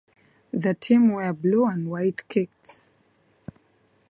The team wear blue and white kits.